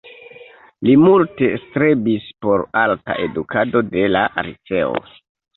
Li multe strebis por alta edukado de la liceo.